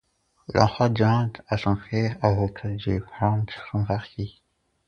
L'enfant demande à son père, avocat, de prendre son parti.